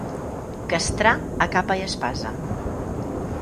Castrar a capa i espasa.